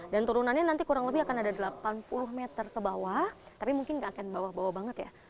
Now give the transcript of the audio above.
dan turunannya nanti kurang lebih akan ada delapan puluh meter ke bawah tapi mungkin tidak akan bawa bawa banget ya